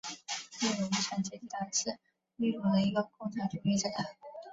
秘鲁无产阶级党是秘鲁的一个共产主义政党。